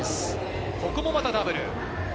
ここもまたダブル。